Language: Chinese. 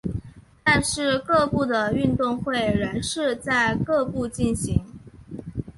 但是各部的运动会仍是在各部进行。